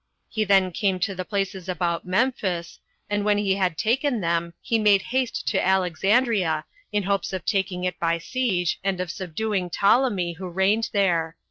He then came to the places about Memphis; and when he had taken them, he made haste to Alexandria, in hopes of taking it by siege, and of subduing Ptolemy, who reigned there.